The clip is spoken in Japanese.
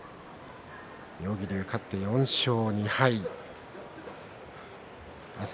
妙義龍が勝って４勝２敗です。